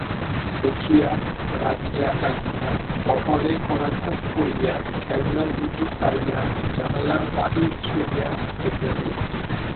দেখিয়া, রাগিয়া কাঁদিয়া কপালে করাঘাত করিয়া খেলনাদুটো কাড়িয়া জানলার বাহিরে ছুঁড়িয়া ফেলিয়া দিলেন।